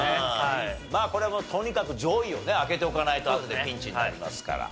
まあこれはもうとにかく上位をね開けておかないとあとでピンチになりますから。